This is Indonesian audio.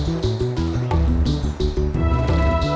w ayrang lain gak sadar